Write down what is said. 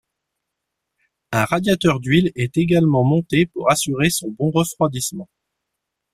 Un radiateur d'huile est également monté pour assurer son bon refroidissement.